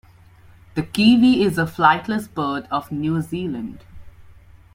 The kiwi is a flightless bird of New Zealand.